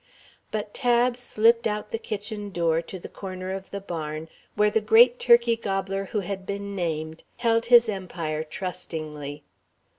But Tab slipped out the kitchen door, to the corner of the barn, where the great turkey gobbler who had been named held his empire trustingly.